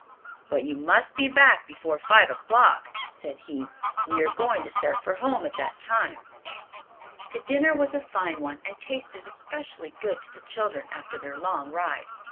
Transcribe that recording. "But you must be back before five o'clock," said he. "We are going to start for home at that time." The dinner was a fine one and tasted especially good to the children after their long ride.